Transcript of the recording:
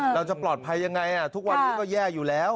เราจะปลอดภัยยังไงทุกวันนี้ก็แย่อยู่แล้ว